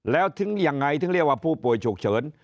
แล้วถึงยังไงถึงเรียกว่าผู้ป่วยฉุกเฉิน